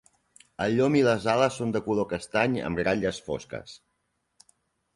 El llom i les ales són de color castany amb ratlles fosques.